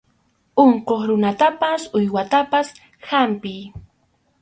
Unquq runatapas uywatapas hampiy.